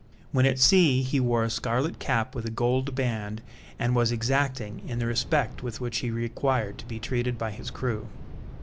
When at sea he wore a scarlet cap with a gold band, and was exacting in the respect with which he required to be treated by his crew.